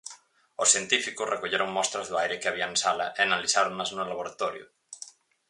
Os científicos recolleron mostras do aire que había na sala e analizáronas no laboratorio.